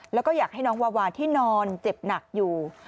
แล้วก็อยากให้น้องวาวาที่นอนเจ็บหนักอยู่